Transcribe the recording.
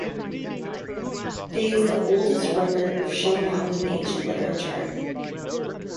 The is the oldest record of shell mound in ancient literature.